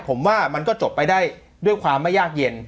ผมว่ามันก็จบไปได้ด้วยความไม่ยากเย็น